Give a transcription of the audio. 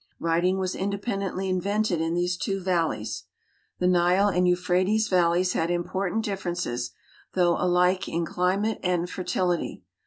Writing was independently invented in these two val leys. The Nile and Euphrates valleys had important differences, though alike in climate and fertility.